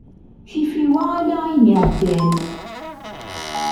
Tifiwa ala ayen iεeddan.